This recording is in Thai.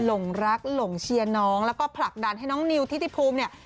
หลงรักหลงเชียร์น้องแล้วก็ผลักดันให้น้องนิวทิติภูมิเนี่ย